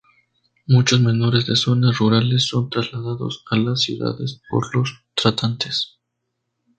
Muchos menores de zonas rurales son trasladados a las ciudades por los tratantes.